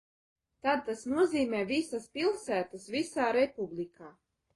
Tad tas nozīmē visas pilsētas visā republikā.